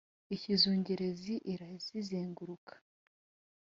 « ikizungerezi » irazizenguruka